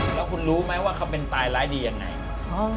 แล้วคุณรู้ไหมว่าเขาเป็นตายร้ายดียังไง